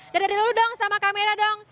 dari dulu dong sama kamera dong